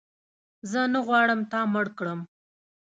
زه نه غواړم تا مړ کړم